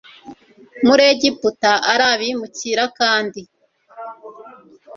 muri egiputa ari abimukira kandi